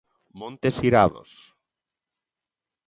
Montes irados!